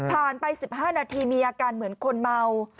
ไป๑๕นาทีมีอาการเหมือนคนเมา